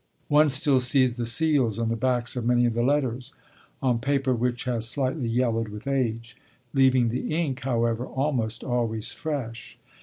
One still sees the seals on the backs of many of the letters, on paper which has slightly yellowed with age, leaving the ink, however, almost always fresh.